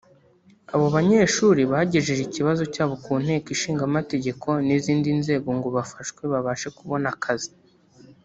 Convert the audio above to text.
Abo banyeshuri bagejeje ikibazo cyabo ku Nteko Ishinga Amategeko n’izindi nzego ngo bafashwe babashe kubona akazi